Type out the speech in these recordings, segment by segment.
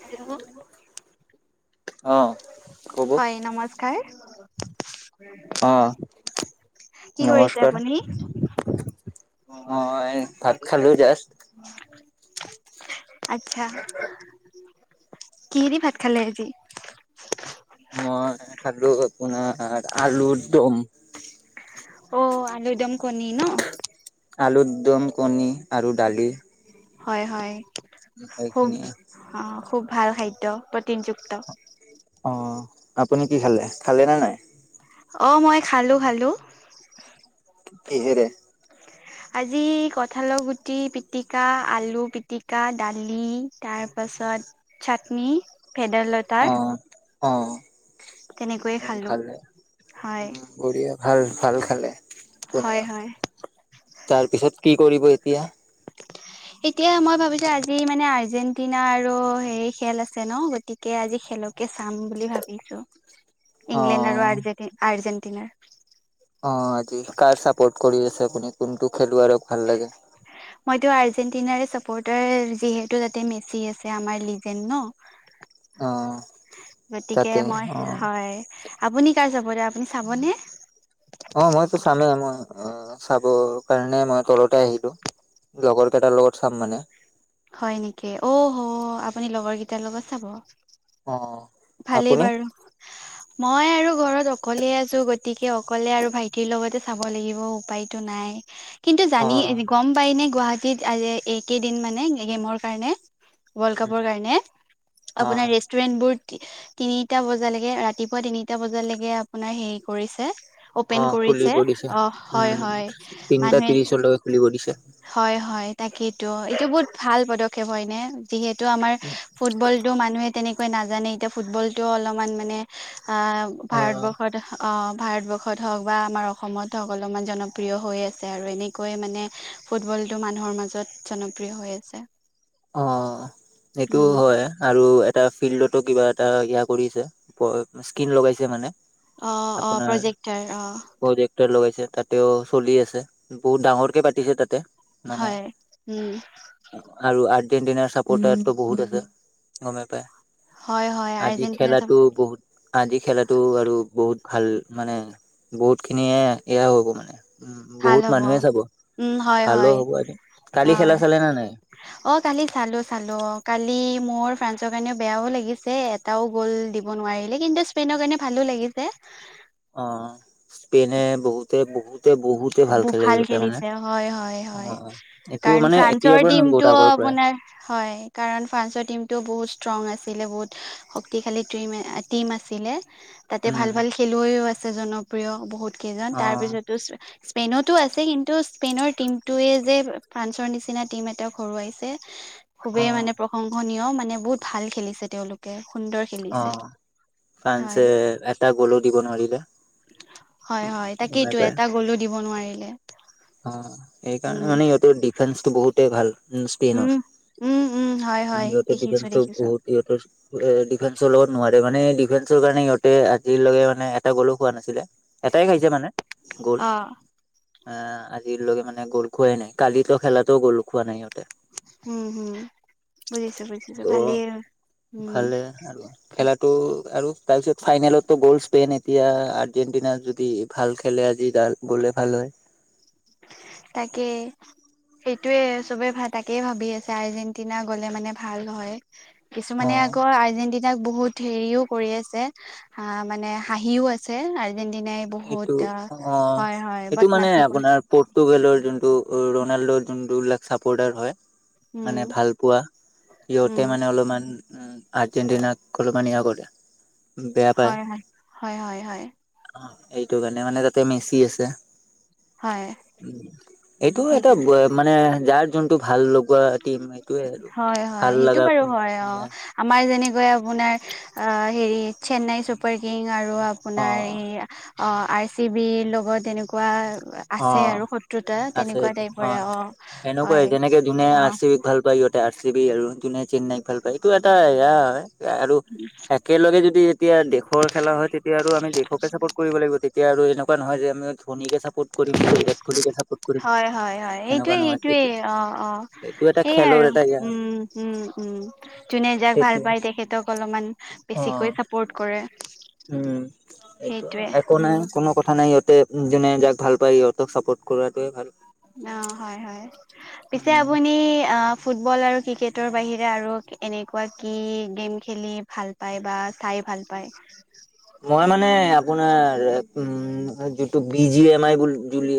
Hello. অ', ক'ব। হয়, নমস্কাৰ। অ', [inaudible] কি কৰিছে নমস্কাৰ। আপুনি মই ভাত খালো জাষ্ট। [inaudible] আত্ছা। কিহিদি ভাত খালে আজি? মই খালো আপোনাৰ আলুৰ দম। অ', আলু দম কণী ন? আলুৰ দম কণী, আৰু দালি। হয়, হয়। খুব এইখিনিয়ে। অ', খুব ভাল খাদ্য প্ৰটিনযুক্ত। অ', আপুনি কি খালে? খালে নে নাই? অ', মই খালোঁ খালোঁ। কিহেৰে? আজি কঠালৰ গুটি পিটিকা, আলু পিটিকা, দালি তাৰপাছত চাটনি। ভেদাইলতাৰ, অ', অ', তেনেকৈয়ে খালোঁ খালে। হয়। উম, বঢ়িয়া, ভাল ভাল খালে হয় হয় [unintelligible] তাৰ পিছত কি কৰিব এতিয়া? এতিয়া মই ভাবিছোঁ আজি মানে আৰ্জেন্টিনা আৰু হেই খেল আছে ন, গতি কে আজি খেলকে চাম বুলি ভাবিছো ইংলেণ্ড আৰু অ'। আৰ্জেটি আৰ্জেণ্টিনাৰ। অ আজি কাৰ চাপৰ্ট কৰি আছে আপুনি কোনটো খেলুৱাৰক ভাল লাগে। মইতো আৰ্জেন্টিনাৰ চাপৰ্টাৰ যিহেতু তাতে মেচি আছে আমাৰ লিজেন ন। অ', গতিকে তাতে মই অ'। হয়। আপুনি কাৰ চাপৰ্টাৰ আপুনি চাবনে। অ মইতো চামেই মই অ চাব কাৰণে মই তলতে আহিলো। লগৰ কেইটাৰ লগত চাম মানে। হয় নেকি অ হ আপুনি লগৰ কেইটাৰ লগত চাব। অ। ভালেই আপুনি বাৰু। মই আৰু ঘৰত অকলে আছো গতিকে অকলে আৰু ভাইটিৰ লগতে চাব লাগিব উপায় টো নাই কিন্তু অ জানি গম পাই নে গুৱাহাটীত আজি এইকেইদিন মানে গেমৰ কাৰণে। ৱৰ্লড উম কাপৰ কাৰণে অ আপোনাৰ ৰেষ্টুৰেন্টবোৰত তিনিটা বজালেকে ৰাতিপুৱা তিনিটা বজালেকে আপোনাৰ হেৰি কৰিছে। অ অপেন কৰিছে খুলিব দিছে অ হয় হয় তিনটা মানুহে ত্ৰিশলৈকে খুলি দিছে। হয় হয় তাকেইতো এইটো বহুত ভাল পদক্ষেপ হয় নে। যিহেতু আমাৰ ফুটবলটো মানুহে তেনেক নাজানে এতিয়া ফুটবল টোও অলপমান মানে আ অ ভাৰতবৰ্ষত। অ ভাৰতবৰ্ষত হওঁক বা আমাৰ অসমত হওক অলপমান জনপ্ৰিয় হৈ আছে আৰু এনেকৈ মানে। ফুটবলটো মানুহৰ মাজত জনপ্ৰিয় হৈ আছে। অ সেইটো উম হয় আৰু এট এটা ফিল্ডতো কিবা এটা ইয়া কৰিছে স্কিন লগাইছে মানে। অ অ প্ৰজেক্টাৰ অ। প্ৰটেক্টৰ লগাইছে তাতেও চলি আছে বহু ডাঙৰ কে পাতিছে তাতে। মানে হয় উম। আৰু আৰ্জেণ্টিনাৰ চাপৰ্টাৰটো বহুত আছে গমেই পাই। হয় হয় আজি আৰ্জেণ্টিনা চাব খেলাটো বহুত। আজি খেলাটো আৰু বহুত ভাল মানে বহুত খিনিয়ে এয়া হ'ব মানে। উম ভাল বহুত হ'ব মানুহে চাব উম হয় ভালো হয় হ'ব আজি কালি হয় খেলা চালে নে নাই। অ কালি চালো চালো অ কালি মোৰ ফ্ৰেন্স ৰ কাৰণে বেয়াও লাগিছে। টাও গ'ল দিব নোৱাৰিলে কিন্তু স্পেইনৰ কাৰণে ভালো লাগিছে। অ স্পেইনে বহুত। তে বহুতে বহুতে ভাল ব খেলে ইহতে মানে খেলিছে হয় হয় অ হয় এইটো কাৰণ মানে। ফ্ৰান্সৰ এতিয়াৰ পৰাই নহ টিমটো বহুত আগৰ পৰাই। আপোনাৰ হয় কাৰণ ফ্ৰান্সৰ টিমটোও বহুত ষ্ট্ৰং আছিলে বহুত শক্তিশালী টিম এ টিম আছিলে তাতে উম ভাল ভাল খেলুৱৈও আছে জনপ্ৰিয় বহুত কেইজন অ তাৰ পিছত [unintelligible] স্পেইনতো আছে কিন্তু স্পেইনৰ টিম ৱে যে ফ্ৰান্সৰ নিচিনা টিম এটাত হৰুৱাইছে। অ খুবেই মানে প্ৰশংসনীয় মানে বহুত ভাল খেলিছে তেওঁলোক কে সুন্দৰ অ খেলিছে হয়। ফ্ৰান্সে এটা গ'লৌ দিব নোৱাৰিলে। হয় হয় গমে তাকেইটো পায় এটা গ'লো দিব নোৱাৰিলে। অ সেইকাৰণে উম মানে ইহতৰ ডিফেন্সটো বহুতে ভাল। উম স্পেনৰ উম উম হয় হয় ইহঁতৰ দেখিছো ডিফেন্সটো দেখিছো বহুত ইহঁতৰ। ডিফেন্সৰ লগত নোৱাৰে মানে, ডিফেন্সৰ কাৰণে সিহঁতে আজিলৈকে মানে এটা গ'লো খোৱা নাছিলে। এটাই খাইছে মানে গ'ল অ আহ। আজিলৈকে মানে গ'ল খোৱাই নাই, কালিতো খেলাটো গ'ল খোৱা নাই ইহঁতে। উম, হুম, বুজিছো বুজিছো ভালে। ত' [inaudible] খেলাটো, আৰু তাৰপিছত ফাইনেলতো গ'ল স্পেইন এতিয়া আৰ্জেণ্টিনাৰ যদি ভাল খেলে আজিডাল। গ'লে ভাল হয়। তাকে। সেইটোৱে চবে ভা তাকেই ভাবি আছে, আৰ্জেণ্টিনা গ'লে মানে ভাল হয়। অ কিছুমানে আকৌ আৰ্জেন্টিন না, বহুত হেৰিও কৰি আছে, হা মানে হাঁহিও আছে আৰ্জেণ্টিনাই এইটো অ', এইটো মানে বদমাচি কৰে আপোনাৰ পৰ্তুগালৰ যোনটো ৰনাল্ডৰ যোন বিলাক চাপৰ্টাৰ হয় মানে উম ভাল পোৱা, উম সিহতে মানে অলপমান আৰ্জেণ্টিনাক, [unintelligible] কৰে বেয়া হয়, হয়, হয়, হয়, হয়। অ', এইটো কাৰণে, মানে তাতে মেচি আছে। হয় এইটো সেইটো এটা, মানে যাৰ যোনটো ভাল লগোৱা টিম। হয় হয় ভাল সেইটো লগা বাৰু হয় অ আমাৰ যেনেকৈ আপোনাৰ, হেৰি চেন্নাই চুপাৰ কিং আৰু অ আপোনাৰ এই, আৰ চি বি ৰ লগত তেনেকুৱা আছে অ', আৰু শত্ৰুতা আছে তেনেকুৱা টাইপৰে অ', এনেকুৱাই হয় যেনেকে যোনে আৰ অ চি বিক ভাল পায় ইহত আৰ চি বি আৰু যোনে চেন্নাইক ভাল পায়, এইটো এটা এয়া আৰু [inaudible] একেলগে যদি যেতিয়া দেশৰ খেলা হয়, তেতিয়া আৰু আমি দেশকে চাপৰ্ট কৰিব লাগিব, তেতিয়া আৰু এনেকুৱা এনেকোৱা নহয় যে, আমি ধনীকে চাপৰ্ট কৰিম বা বিৰাট কোহলীিকে চাপৰ্ট কৰিম, হয় হয় হয় সেইটোৱে এনেকুৱা সেইটোৱে নহয়। অ অ এইটো এটা সেইয়াই খেলৰ আৰু এটা জ্ঞান উম, উম, উম, যোনে যাক ভাল তেতিয়া পায় তেখেতক অলপমান অ বেছিকৈ চাপৰ্ট কৰে। উম, এইটো, সেইটোৱে একো নাই উম কোনো কথা নাই ইহঁতে যোনে যাক ভাল পায়, ইহঁতক চাপৰ্ট কৰাটোৱে ভাল। অ', হয়, হয়, পিছে উম আপুনি অ'। ফুটবল আৰু ক্ৰিকেটৰ বাহিৰে আৰু, এনেকুৱা কি গেম খেলি ভাল পায় বা চাই ভাল পায়। মই মানে আপোনাৰ, উম, যিটো বি জি এম আই বুলি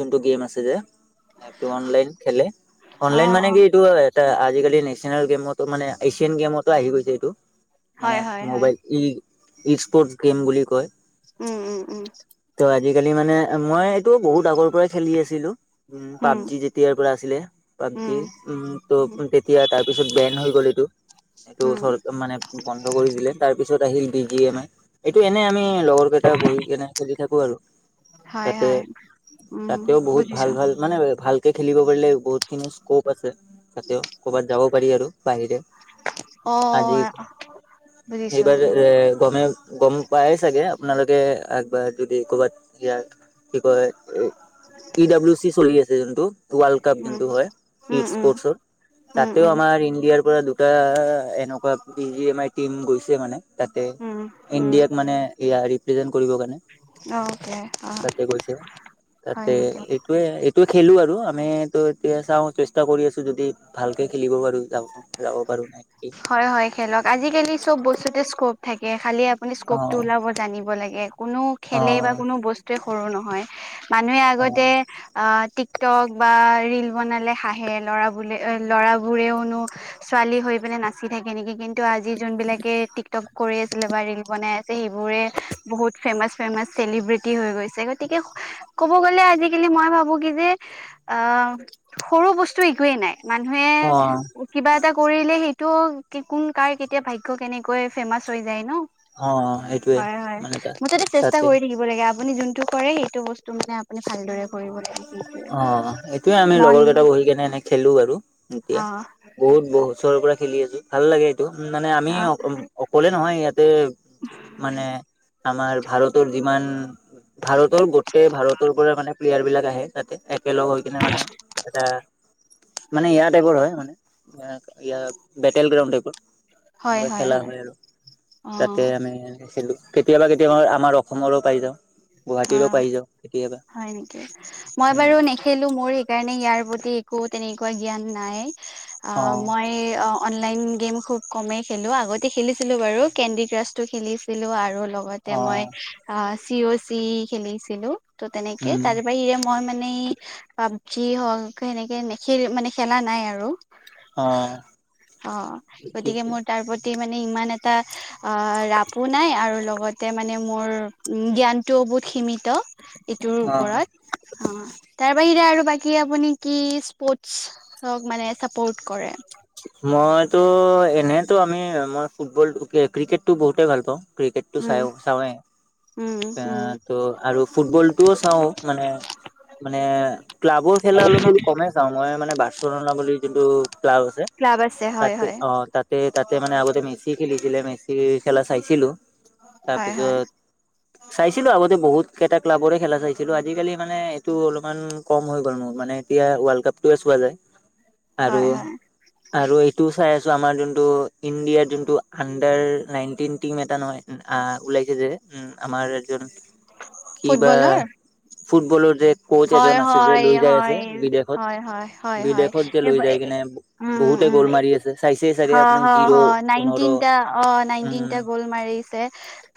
যোনটো গেম আছে যে, এইটো অনলাইন খেলে, অনলাইন অ', মানে অ', কি এইটো তা আজিকালি নেচনেল গেমতো মানে, এছিয়ান গেমতো আহি গৈছে এইটো, মানে হয়, হয়, হয়, মোবাইল ই। ই-স্পৰ্ট গেম বুলি কয়। উম, উম, উম। ত' আজিকালি মানে, মই এইটো বহুত আগৰ পৰাই খেলি আছিলো। উম, পাবজি যেতিয়াৰ পৰা আছিলে। পাবজি উম, ত' তেতিয়া তাৰপিছত বেন হৈ গ'ল এইটো। এইটো উম। চৰ মানে বন্ধ কৰি দিলে, তাৰপিছত আহিল বি জি এম আই এইটো এনে আমি লগৰ এটা বহি কেনে খেলি থাকো আৰু। হয়, তাতে হয়, উম, তাতেও বহুত ভাল বুজিছো ভাল, মানে ভালকে খেলিব পাৰিলে বহুত খিনি স্কপ আছে, তাতে ক'বাত যাব পাৰি আৰু বাহিৰে। অ অ। বুজিছো সেইবাৰ উম, এ গমে গম পাই চাগে আপোনালোকে একবাৰ যদি ক'বাত ইয়াৰ কি কয় ই ডাব্লিউ চি চলি আছে যোনটো। ৱাৰ্ল্ড কাপ উম, যোনটো হয় ই উম, উম, স্পৰ্টচৰ, উম, তাতেও উম, আমাৰ ইণ্ডিয়াৰ পৰা দুটা এনেকুৱা P G M I team গৈছে মানে তাতে। উম, উম, ইয়াৰ ৰি প্ৰেজেণ্ট কৰিব কাৰণে অকে অ', তাতে গৈছে হয় তাতে। নেকি? এইটোয়ে এইটো খেলো আৰু আমি ত এতিয়া চাওঁ চেষ্টা কৰি আছো, যদি ভালকে খেলিব পাৰো যাব যাব পাৰো। হয় হয় খেলক, আজিকালি চব বস্তুতে স্কপ থাকে খালি আপুনি অ স্কপটো ওলাব। জানিব লাগে, কোনো অ খেলেই বা কোনো বস্তুৱেই সৰু নহয়। মানুহে অ আগতে আ টিকটক বা ৰিল বনালে হাহে ল'ৰাবোলে ল'ৰাবোৰেও নো ছোৱালী হৈ পিনে নাচি থাকে নেকি কিন্তু আজি যোনবিলাকে টিকটক কৰি আছিলে বা ৰিল বনাই সেইবোৰে বহুত ফেমাচ, ফেমাচ চেলিব্ৰিটি হৈ গৈছে গতিকে ক'ব গ'লে আজিকালি মই ভাবো কি যে অ সৰু বস্তু একোৱেই নাই। মানুহে কিবা এটা কৰিলে সেই তো কোন, কাৰ, কেতিয়া ভাগ্য কেনেকৈ ফেমাচ হৈ যায় ন। অ অ সেইটোৱে হয় হয়, মানে তাত মুঠতে চেষ্টা তাতে কৰি থাকিব লাগে আপুনি যোনটো কৰে সেইটো বস্তু মানে আপুনি ভালদৰে কৰিব লাগে সেইটোৱে অ এইটোয়ে আমি লগৰ মন কেইটা বহি কেনে এনে খেলো বাৰু এতিয়া। অ বহুত বছৰৰ পৰা খেলি আছো, ভাল লাগে এইটো মানে আমি অ অকলে নহয় ইয়াতে মানে আমাৰ ভাৰতৰ যিমান ভাৰতৰ গোটেই ভাৰতৰ পৰা মানে প্লেয়াৰ বিলাক আহে। তাতে একেলগ হৈ কিনে মানে এটা মানে ইয়াৰ টাইপৰ হয় মানে। ইয়া। বেটেল গ্ৰাউণ্ড টাইপৰ, এনেকুৱা খেলা হয় আৰু অ তাতে আমি এনে খেলো। কেতিয়াবা, কেতিয়াবা আমাৰ অসমৰো পাই যাওঁ অ গুৱাহাটীৰো পাই যাওঁ কেতিয়াবা। হয় নেকি, মই বাৰু উম নেখেলো মোৰ সেইকাৰণে ইয়াৰ প্ৰতি একো তেনেকুৱা জ্ঞান নাই। আ অ', মই এ অনলাইন গেম খুব কমেই খেলোঁ, আগতে খেলিছিলোঁ বাৰু কেণ্ডি ক্ৰাছটো খেলিছিলোঁ আৰু লগত মই অ', আ চি অ চি খেলিছিলোঁ, ত' তেনেকে উম। তাৰে বাহিৰে মই মানে পাবজি হওক সেনেকে নেখে মানে খেলা নাই আৰু। অ অ, ঠিক গতিকে মোৰ তাৰ প্ৰতি মানে ইমান এটা অ ৰাপো নাই আৰু লগতে মানে মোৰ জ্ঞান টো বহুত সিমিত ইটোৰ অ ওপৰত আ তাৰ বাহিৰে আৰু বাকী আপুনি কি স্পৰ্টছক মানে চাপৰ্ট কৰে। মইতো এনেতো আমি মই ফুটবল ক্ৰিকেটো বহুতে ভাল পাওঁ ক্ৰিকেট। উম চাইও চাওঁৱে উম উম ত' আৰু ফুটবল টো অ চাওঁ মানে মানে ক্লাবৰ খেলা অলপমান কমেই চাও, মই মানে বাছলা বুলি যোনটো ক্লাব আছে। ক্লাব আছে। হয় তাতে হয় অ তাতে তাতে মানে আগতে মেচি খেলিছিলে মেচি খেলা চাইছিলো। হয় হয় তাপিছত চাইছিলো আগতে বহুত কেইটা ক্লাবৰে খেলা চাইছিলো, আজিকালি মানে এইটো অলপমান কম হৈ গ'ল মোৰ মানে এতিয়া ৱৰ্ল্ড কাপটোৱে চোৱা যায়। আৰু হয় হয় আৰু এইটোও চাই আছোঁ, আমাৰ যোনটো ইণ্ডিয়াৰ যোনটো আণ্ডাৰ নাইনটিন টিম এটা নহয়। আহ ওলাইছে যে, উম আমাৰ একজন কিবা ফুটবলৰ ফুটবলৰ যে ক'চ এজন হয় আছে যে, হয় লৈ যাই আছে হয় বিদেশত, হয় হয় হয় হয় বিদেশত যে লৈ যাই কিনে উম বহুতে উম গ'ল মাৰি ৰি আছে চাইছে চা হ, হ, হ, নাইনটিনটা অ', উম নাইনটিনটা গ'ল মাৰিছে,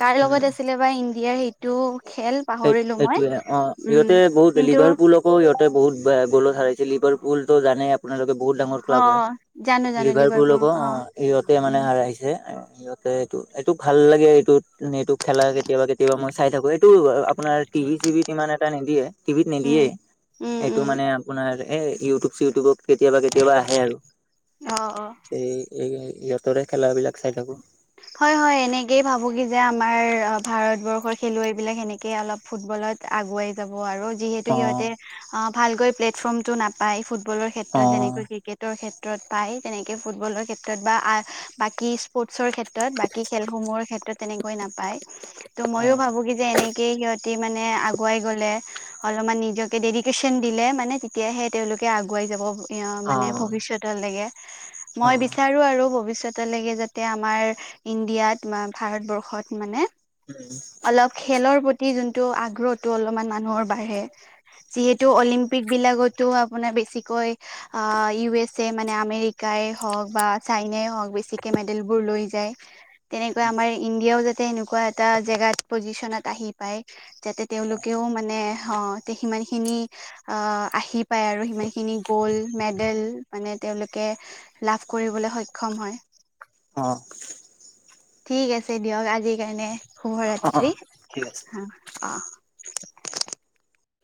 কাৰ লগত উম আছিলে বা ইণ্ডিয়াৰ সেইটো খেল সেই পাহৰিলো মই সেইটোয়ে অ', উম সিহঁতে বহুত কিন্তু লিভাৰ পুলক কো সিহঁতে বহুত বেয়া গ'লত হাৰাইছিল, লিভাৰপুলতো জানেয়ে আপ আপোনালোকে বহুত ডাঙৰ অ ক্লাব হয়, জানো জানো লিভাৰপুল লিভাৰপুৰকো অ', সিহঁতে মানে উম হাৰাইছে, আ সিহঁত এ এইটো, এইটো ভাল লাগে এইটোত এইটো খেলা কেতিয়াবা কেতিয়াবা মই চাই থাকোঁ, এইটো আপ আপোনাৰ টিভি চিভিত ইমান এটা নিদিয়ে, টিভিত উম নিদিয়েই। উম এইটো উম মানে আপোনাৰ এ ইউটিউব চিটিউবত কেতিয়াবা কেতিয়াবা আহে আৰু অ অ এই এই ইহঁতৰে খেল বিলাক চাই থাকোঁ। হয়, হয়, এনেকেই ভাবো কি যে আমাৰ আ ভাৰতবৰ্ষৰ খেলুৱৈ বিলাক সেনেকেই অলপ ফুটবলত আগুৱাই যাব আৰু যিহেতু অ সিহঁতে ভালকৈ প্লেটফৰ্মটো নাপাই, ফুট ফুবলৰ অ ক্ষেত্ৰত, যেনেকৈ ক্ৰিকেৰ ক্ষেত্ৰ তত পায় তেনেকে ফুটবলৰ ক্ষেত্ৰত বা আ বাকী স্পৰ্টৰ ক্ষেত্ৰ টত বাকী খেলসমূহৰ ক্ষেত্ৰত তেনেকৈ নাপায়, ত' অ ময়ো ভাবো কি যে এনেকেই সিহঁতি মানে আগুৱাই গ'লে অলপমান নিজকে ডেডিকেচন দিলে মানে তেতিয়াহে তেওঁওলোকে আগুৱাই যাব এ অ মানে ভৱিষ্যতলৈকে, অ মই বিচাৰো আৰু ভৱিষ্যতলৈকে যাতে আমাৰ ইণ্ডিয়াত বা ভাৰতবৰ্ষত মানে উম। অলপ খেলৰ প্ৰতি যোনটো আগ্ৰহটো অলপমান মানুহৰ বাঢ়ে। যিহেতু অলিম্পিক বিলাকতো আপোনাৰ বেছিকৈ আ ইউ এছ এ মানে আমেৰিকাই হওঁক বা চাইনাই হওঁক বেছিকে মেডেল বোৰ লৈ যায়। তেনেকুৱা আমাৰ ইণ্ডিয়াও যাতে এনেকুৱা এটা জেগাত পজিচনত আহি পায়। যাতে তেওঁলোকেও মানে অ', তে সিমান খিনি আহ আহি পায় আৰু সিমান খিনি গ'ল্ড মেডেল মানে তেওঁলোকে লাভ কৰিবলৈ সক্ষম হয়। অ'। ঠিক আছে দিয়ক আজিৰ কাৰণে অ অ শুভৰাত্ৰি, ঠিক আছে অ', অ'।